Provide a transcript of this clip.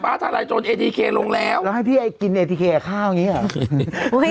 ป๊าทารายจนเอทีเคลงแล้วแล้วให้พี่ไอ้กินเอทีเคลข้าวอย่างงี้อ่ะ